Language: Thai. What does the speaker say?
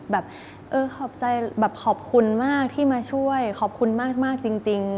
แบบเออขอบใจแบบขอบคุณมากที่มาช่วยขอบคุณมากจริง